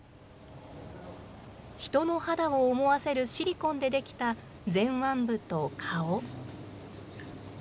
人の肌を思わせるシリコンで出来た前腕部と顔。